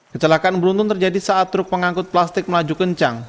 kecelakaan beruntun terjadi saat truk pengangkut plastik melaju kencang